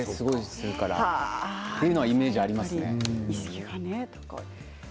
そういうイメージがありますね。